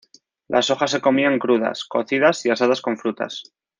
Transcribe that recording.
Las hojas se comían crudas, cocidas y asadas con frutas.